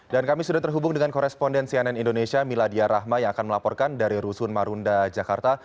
dan kami sudah terhubung dengan koresponden cnn indonesia miladia rahma yang akan melaporkan dari rusun marunda jakarta